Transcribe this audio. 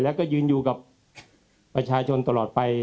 แล้วก็ยืนอยู่กับประชาชนตลอดไป